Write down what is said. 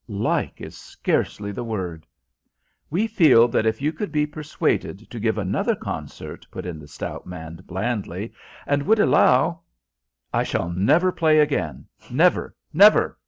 "'Like' is scarcely the word." "We feel that if you could be persuaded to give another concert," put in the stout man, blandly, "and would allow " "I shall never play again never never!"